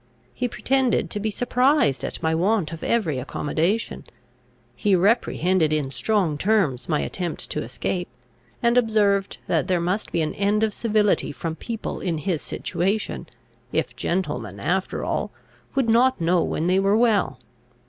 He pretended to be surprised at my want of every accommodation. He reprehended in strong terms my attempt to escape, and observed, that there must be an end of civility from people in his situation, if gentlemen, after all, would not know when they were well.